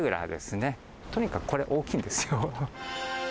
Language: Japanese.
とにかくこれ、大きいんですよ。